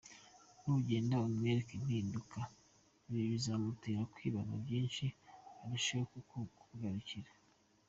Nugenda umwereka impinduka bizamutera kwibaza byinshi arusheho kukugarukira.